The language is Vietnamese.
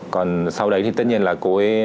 còn sau đấy thì tất nhiên là cô ấy